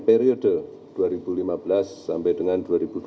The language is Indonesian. periode dua ribu lima belas sampai dengan dua ribu dua puluh